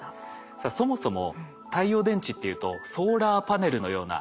さあそもそも太陽電池っていうとソーラーパネルのようなイメージ。